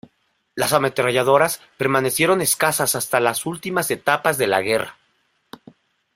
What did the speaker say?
Las ametralladoras permanecieron escasas hasta las últimas etapas de la guerra.